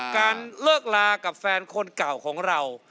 การเลิกลากับแฟนคนเก่าของเรา